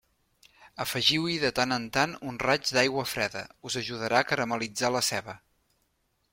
Afegiu-hi de tant en tant un raig d'aigua freda; us ajudarà a caramel·litzar la ceba.